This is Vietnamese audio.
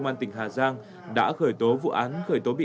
mà hai đến ba trăm